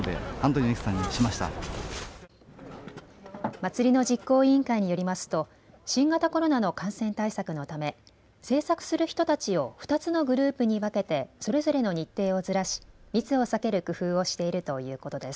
祭りの実行委員会によりますと新型コロナの感染対策のため制作する人たちを２つのグループに分けてそれぞれの日程をずらし密を避ける工夫をしているということです。